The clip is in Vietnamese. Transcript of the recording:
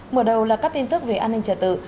mở đầu là các tin tức về an ninh trật tự